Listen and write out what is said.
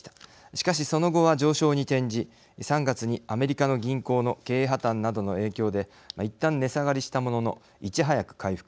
しかし、その後は上昇に転じ３月に、アメリカの銀行の経営破綻などの影響でいったん値下がりしたもののいち早く回復。